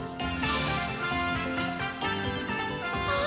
あ！